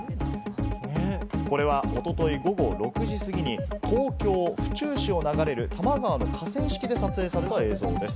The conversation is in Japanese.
これはおととい午後６時過ぎに東京・府中市を流れる多摩川の河川敷で撮影された映像です。